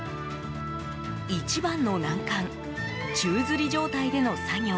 一番の難関宙づり状態での作業。